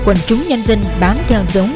quân chúng nhân dân bám theo giống